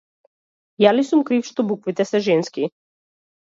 Јас ли сум крив што буквите се женски?